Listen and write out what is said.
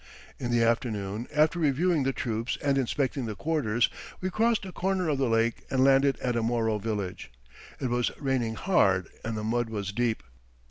In the afternoon, after reviewing the troops and inspecting the quarters, we crossed a corner of the lake and landed at a Moro village. It was raining hard and the mud was deep.